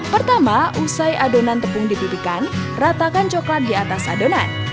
pertama usai adonan tepung dipipihkan ratakan coklat di atas adonan